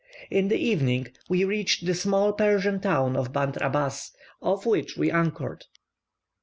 In the evening we reached the small Persian town of Bandr Abas, off which we anchored.